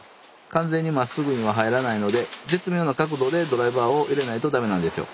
完全にまっすぐには入らないので絶妙な角度でドライバーを入れないと駄目なんですよ。